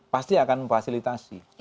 pasti akan memfasilitasi